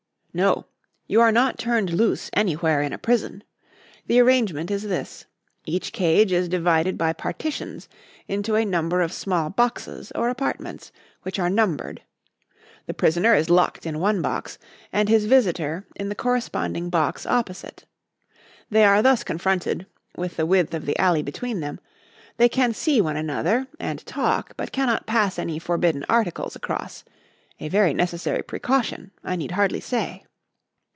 "No. You are not turned loose anywhere in a prison. The arrangement is this: each cage is divided by partitions into a number of small boxes or apartments, which are numbered. The prisoner is locked in one box and his visitor in the corresponding box opposite. They are thus confronted, with the width of the alley between them; they can see one another and talk but cannot pass any forbidden articles across a very necessary precaution, I need hardly say."